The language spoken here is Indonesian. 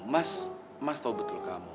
mas mas tahu betul kamu